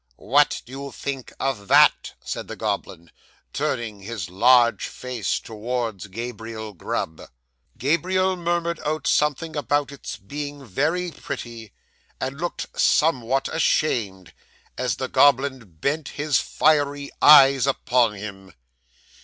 '"What do you think of that?" said the goblin, turning his large face towards Gabriel Grub. 'Gabriel murmured out something about its being very pretty, and looked somewhat ashamed, as the goblin bent his fiery eyes upon him.